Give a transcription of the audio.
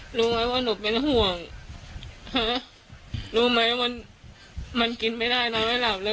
ฮะรู้ไหมว่าหนูเป็นห่วงฮะรู้ไหมว่ามันกินไม่ได้น้ำให้หลับเลย